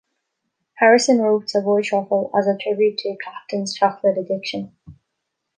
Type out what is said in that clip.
Harrison wrote "Savoy Truffle" as a tribute to Clapton's chocolate addiction.